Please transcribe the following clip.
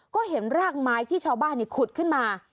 ก็เห็นรากไม้ที่ชาวบ้านขุดขึ้นมา